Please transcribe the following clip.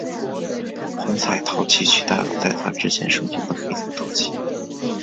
红彩陶器取代了在它之前盛行的黑彩陶器。